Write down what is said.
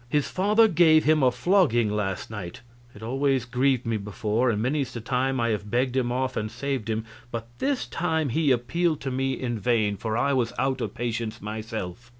His father gave him a flogging last night. It always grieved me before, and many's the time I have begged him off and saved him, but this time he appealed to me in vain, for I was out of patience myself."